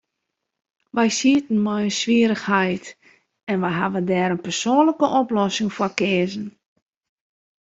Wy sieten mei in swierrichheid, en wy hawwe dêr in persoanlike oplossing foar keazen.